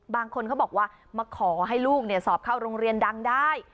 บางคนเขาบอกว่ามาขอให้ลูกสอบเข้าโรงเรียนดังได้